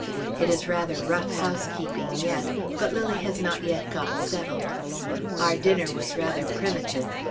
It is rather rough housekeeping yet, but Lilly has not yet got settled. Our dinner was rather primitive.